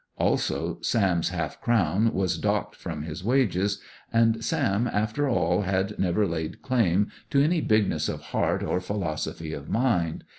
Also, Sam's half crown was docked from his wages; and Sam, after all, had never laid claim to any bigness of heart or philosophy of mind.